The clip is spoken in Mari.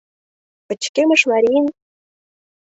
пычкемыш марийын